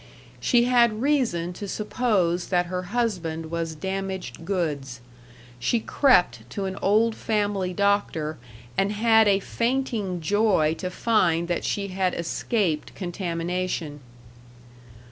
She had reason to suppose that her husband was damaged goods. She crept to an old family doctor and had a fainting joy to find that she had escaped contamination.